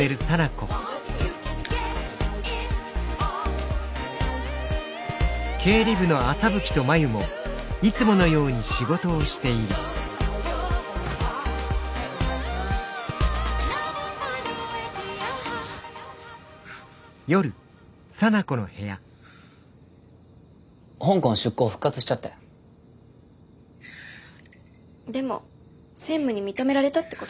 でも専務に認められたってことだから。